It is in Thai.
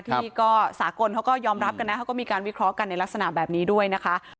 ที่ก็สากลเขาก็ยอมรับกันนะเขาก็มีการวิเคราะห์กันในลักษณะแบบนี้ด้วยนะคะ